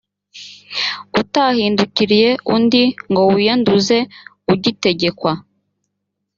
utahindukiriye undi ngo wiyanduze ugitegekwa